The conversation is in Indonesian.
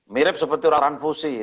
mirip seperti transfusi